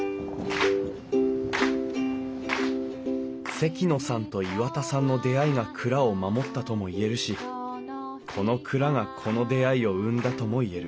関野さんと岩田さんの出会いが蔵を守ったとも言えるしこの蔵がこの出会いを生んだとも言える。